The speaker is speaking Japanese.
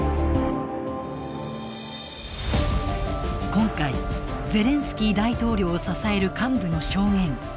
今回ゼレンスキー大統領を支える幹部の証言